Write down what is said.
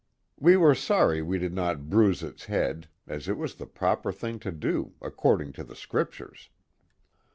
We were sorry we did not " bruise its head," as it was the proper thing to do, according to the Scriptures.